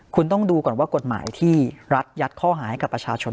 คุณต้องดูก่อนว่ากฎหมายที่รัฐยัดข้อหาให้กับประชาชน